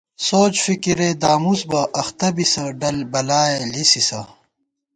سوچ فِکِرے دامُس بہ اختہ بِسہ ڈل بلائےلِسِسہ